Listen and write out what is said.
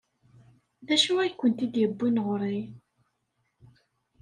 D acu ay kent-id-yewwin ɣer-i?